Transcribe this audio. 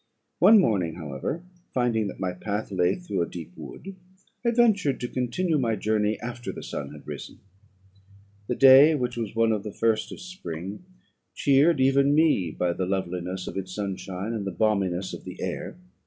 One morning, however, finding that my path lay through a deep wood, I ventured to continue my journey after the sun had risen; the day, which was one of the first of spring, cheered even me by the loveliness of its sunshine and the balminess of the air.